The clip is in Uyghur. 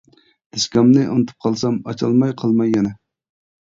دىسكامنى ئۇنتۇپ قالسام ئاچالماي قالماي يەنە!